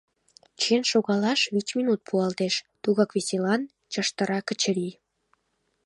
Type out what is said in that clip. Чиен шогалаш вич минут пуалтеш! — тугак веселан чыштыра Качырий.